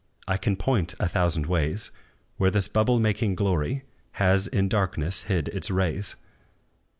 I can point a thousand ways Where this bubble making glory Has in darkness hid its rays!